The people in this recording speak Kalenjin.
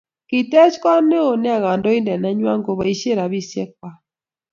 Kitech kot neo nea kandoindet neywan kobaisie rabisiek chwak